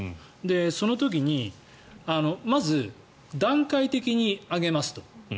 その時にまず、段階的に上げますと。